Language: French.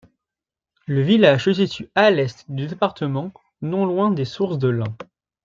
Le village se situe à l'est du département, non loin des sources de l'Ain.